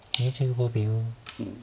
２５秒。